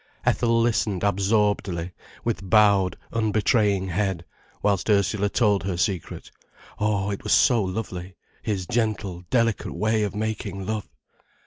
Ethel listened absorbedly, with bowed, unbetraying head, whilst Ursula told her secret. Oh, it was so lovely, his gentle, delicate way of making love!